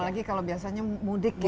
apalagi kalau biasanya mudik gitu ya